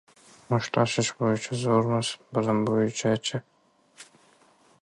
Mushtlashish bo‘yicha zo‘rmiz, bilim bo‘yicha-chi?